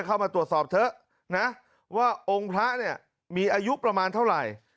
เข้ามาตรวจสอบเถอะนะว่าองค์พระเนี่ยมีอายุประมาณเท่าไหร่